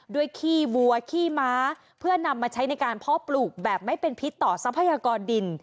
ขี้วัวขี้ม้าเพื่อนำมาใช้ในการเพาะปลูกแบบไม่เป็นพิษต่อทรัพยากรดิน